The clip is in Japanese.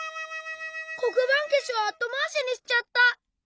こくばんけしをあとまわしにしちゃった！